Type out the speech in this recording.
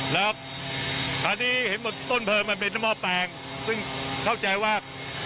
แล้วคราวนี้เห็นบนต้นเพลิงมันเป็นหม้อแปลงซึ่งเข้าใจว่า